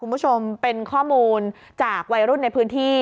คุณผู้ชมเป็นข้อมูลจากวัยรุ่นในพื้นที่